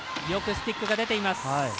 よくスティックが出ています。